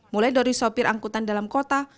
mulai dari sopir angkutan dalam kota